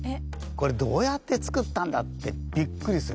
これどうやって作ったんだってびっくりする。